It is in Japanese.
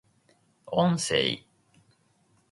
音声